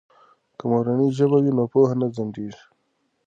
که مورنۍ ژبه وي نو پوهه نه ځنډیږي.